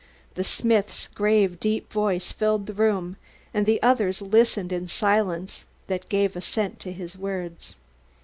The smith's grave, deep voice filled the room and the others listened in a silence that gave assent to his words.